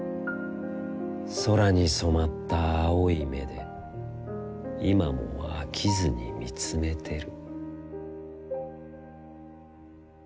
空にそまった青い眼で、いまも、あきずにみつめてる」。